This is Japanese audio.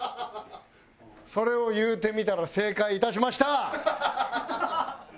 それを言うてみたら正解いたしました。